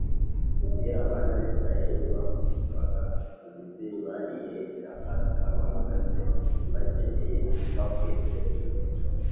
mu gihe abana b’isiraheli bavanwaga mu misiri, bariye ibya pasika bahagaze, bakenyeye, bakwese inkweto,